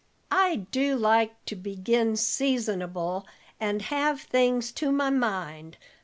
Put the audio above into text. "I do like to begin seasonable and have things to my mind.